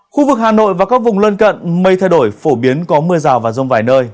khu vực hà nội và các vùng lân cận mây thay đổi phổ biến có mưa rào và rông vài nơi